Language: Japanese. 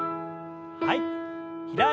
はい。